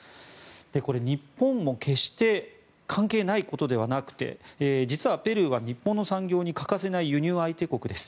これ、日本も決して関係ないことではなくて実はペルーは日本の産業に欠かせない輸入相手国です。